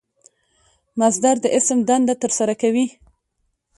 مصدر د اسم دنده ترسره کوي.